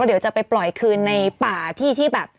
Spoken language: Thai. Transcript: เดี๋ยวจะไปปล่อยคืนในป่าที่ที่แบบ